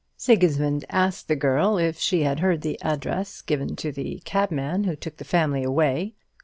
Sigismund asked the girl if she had heard the address given to the cabman who took the family away.